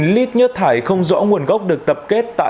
hai mươi hai lít nhớt thải không rõ nguồn gốc được tập kết tại một nhà hàng